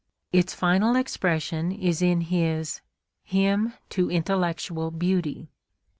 Its final expression is in his "Hymn to Intellectual Beauty."